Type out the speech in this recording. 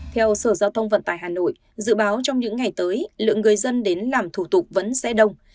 theo sở giao thông vận tải hà nội dự báo trong những ngày tới lượng người dân đến làm thủ tục vẫn sẽ đông